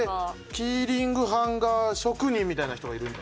キーリングハンガー職人みたいな人がいるんだ。